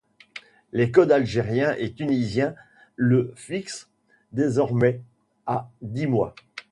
Les Codes algérien et tunisien le fixent désormais à dix mois.